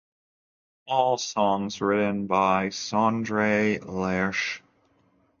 All songs written by Sondre Lerche.